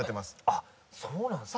あっそうなんですね。